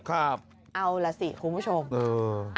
ครับเอาล่ะสิคุณผู้ชมเออ